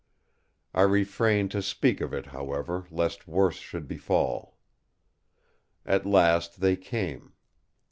I refrained to speak of it, however, lest worse should befall. At last they came.